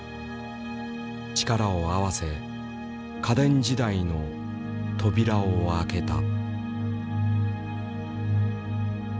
力を合わせ家電時代の扉を開けた。